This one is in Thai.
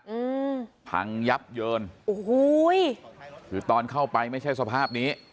อืมพังยับเยินโอ้โหคือตอนเข้าไปไม่ใช่สภาพนี้